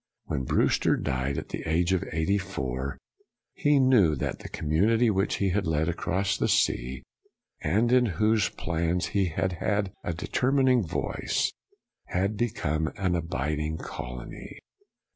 When Brewster died at the age of eighty four, he knew that the community which he had led across the sea, and in all whose plans he had had a determining voice, had become an abiding colony.